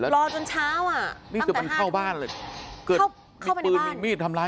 รอจนเช้าอะ